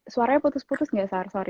suaranya putus putus nggak sar sorry